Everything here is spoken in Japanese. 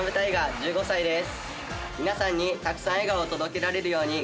１５歳です。